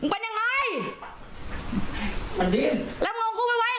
คุณปุ้ยอายุ๓๒นางความร้องไห้พูดคนเดี๋ยว